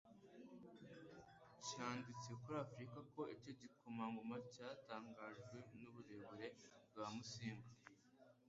cyanditse kuri Afrika ko icyo gikomangoma cyatangajwe n'uburebure bwa Musinga